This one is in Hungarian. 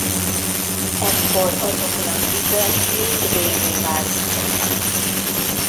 Ekkor azoknak vize mind vérré változott.